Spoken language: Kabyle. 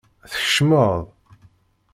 Tkecmeḍ.